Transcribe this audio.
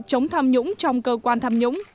chống tham nhũng trong cơ quan tham nhũng